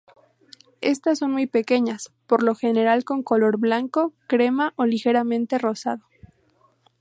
Estas son muy pequeñas, por lo general con color blanco, crema o ligeramente rosado.